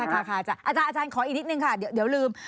อาจารย์ขออีกนิดนึงค่ะเดี๋ยวลืม